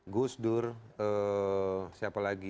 gusdur siapa lagi